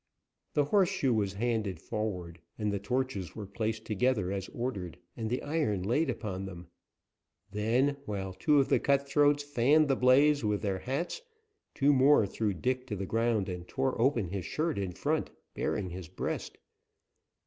The horseshoe was handed forward, and the torches were placed together as ordered, and the iron laid upon them. Then, while two of the cutthroats fanned the blaze with their hats, two more threw Dick to the ground and tore open his shirt in front, baring his breast.